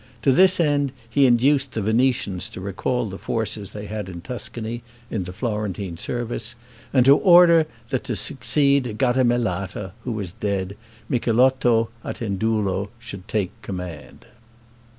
To this end he induced the Venetians to recall the forces they had in Tuscany, in the Florentine service, and to order that to succeed Gattamelata, who was dead, Micheletto Attendulo should take the command.